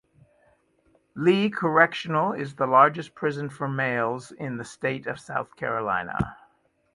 Lee Correctional is the largest prison for males in the state of South Carolina.